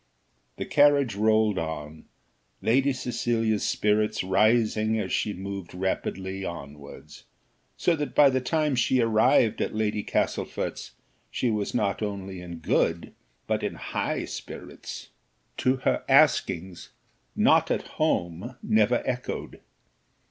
The carriage rolled on, Lady Cecilia's spirits rising as she moved rapidly onwards, so that by the time she arrived at Lady Castlefort's she was not only in good but in high spirits. To her askings, "Not at home" never echoed.